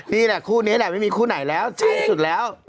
นี่แหละคู่นี้แหละไม่มีคู่ไหนแล้วใจสุดแล้ว